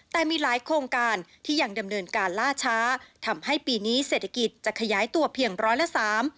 แต่มีหลายโครงการที่ยังดำเนินการล่าช้าทำให้ปีนี้เศรษฐกิจจะขยายตัวเพียงร้อยละสาม